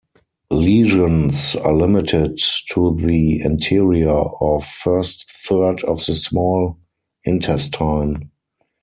Lesions are limited to the anterior or first third of the small intestine.